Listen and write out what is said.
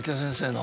の